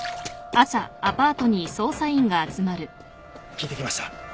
聞いてきました。